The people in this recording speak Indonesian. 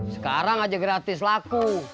sekarang aja gratis laku